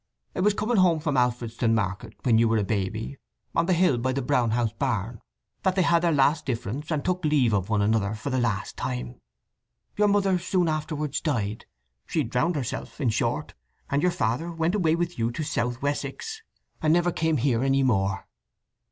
It was coming home from Alfredston market, when you were a baby—on the hill by the Brown House barn—that they had their last difference, and took leave of one another for the last time. Your mother soon afterwards died—she drowned herself, in short, and your father went away with you to South Wessex, and never came here any more."